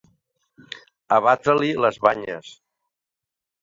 Abatre-li les banyes.